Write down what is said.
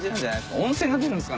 温泉が出るんですか？